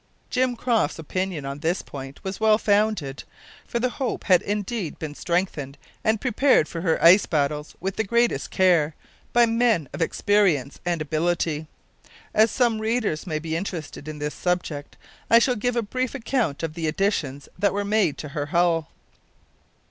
Jim Croft's opinion on this point was well founded, for the Hope had indeed been strengthened and prepared for her ice battles with the greatest care, by men of experience and ability. As some readers may be interested in this subject, I shall give a brief account of the additions that were made to her hull.